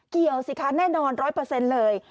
เกี่ยวซิคะแน่นอน๑๐๐เปอร์เซ็นต์เลย